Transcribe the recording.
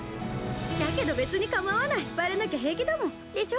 だけど別に構わないバレなきゃ平気だもんでしょ？